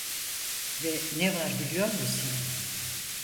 Ve ne var biliyor musun?